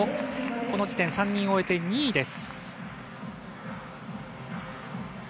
この時点、３人を終えて２位です。